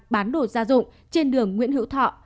bán đồ gia dụng trên đường nguyễn hữu thọ